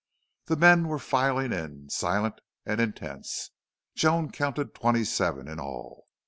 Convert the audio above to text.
The men were filing in silent and intense. Joan counted twenty seven in all.